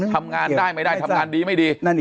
ทำงานได้ไม่ได้ทำงานดีไม่ดี